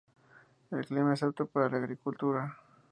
El clima es apto para la agricultura.